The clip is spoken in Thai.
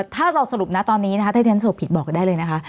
ถ้าเราสรุปนะตอนนี้นะคะถ้าที่ฉันสรุปผิดบอกได้เลยนะคะ